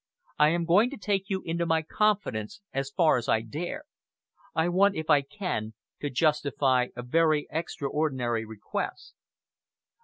I am going to take you into my confidence as far as I dare. I want, if I can, to justify a very extraordinary request."